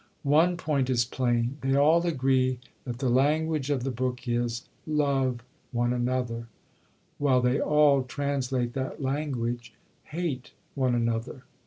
One point is plain, they all agree that the language of the book is, 'Love one another,' while they all translate that language, 'Hate one another.'